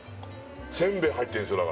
せんべい入ってるんですよ